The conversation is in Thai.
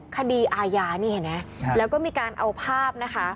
คดีอาญานี่เห็นไหมแล้วก็มีการเอาภาพนะคะ